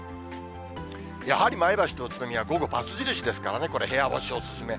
やはり前橋と宇都宮、午後、×印ですからね、これ、部屋干しお勧め。